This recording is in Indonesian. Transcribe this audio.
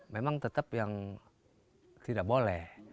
memang tetap yang tidak boleh